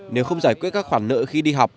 nếu không giải quyết các khoản nợ khi đi học